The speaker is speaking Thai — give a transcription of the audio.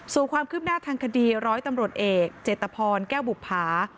ส่วนความคืบหน้าทางคดีร้อยตำรวจเอกเจตพรแก้วบุภา